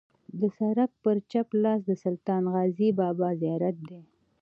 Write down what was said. د سړک پر چپ لاس د سلطان غازي بابا زیارت دی.